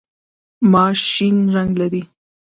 ماش شین رنګ لري.